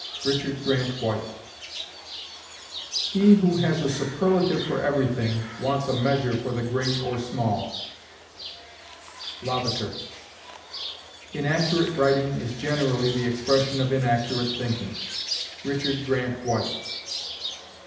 RICHARD GRANT WHITE. He who has a superlative for everything, wants a measure for the great or small. LAVATER. Inaccurate writing is generally the expression of inaccurate thinking. RICHARD GRANT WHITE.